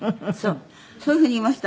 そういうふうに言いました？